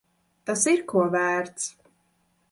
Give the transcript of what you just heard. Tas ir ko vērts.